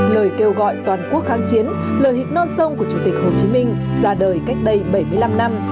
lời kêu gọi toàn quốc kháng chiến lời hịch non sông của chủ tịch hồ chí minh ra đời cách đây bảy mươi năm năm